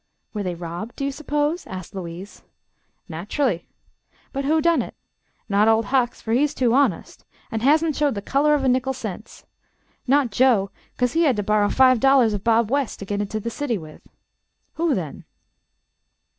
"Were they robbed, do you suppose?" asked Louise. "Nat'rally. But who done it? Not Ol' Hucks, fer he's too honest, an' hasn't showed the color of a nickel sense. Not Joe; 'cause he had to borrer five dollars of Bob West to git to the city with. Who then?"